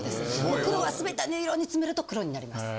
黒はすべての色を煮詰めると黒になります。